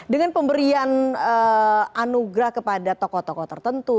dengan pemberian anugerah kepada tokoh tokoh tertentu